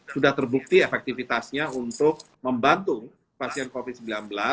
sudah terbukti efektifitasnya untuk membantu pasien covid sembilan belas